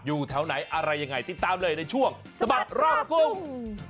อยู่แถวไหนอะไรยังไงติดตามเลยในช่วงสะบัดรอบกรุง